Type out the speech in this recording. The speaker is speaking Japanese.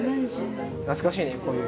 懐かしいねこういう。